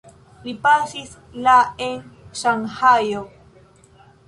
Li pasis la en Ŝanhajo.